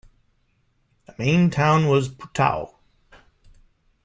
The main town was Putao.